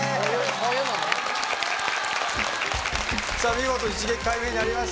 見事一撃解明になりましたけど。